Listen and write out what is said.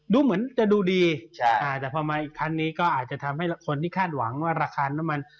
ดูเหมือนจะดูดีใช่อ่าแต่พอมาอีกครั้งนี้ก็อาจจะทำให้คนที่คาดหวังว่าราคาน้ำมัน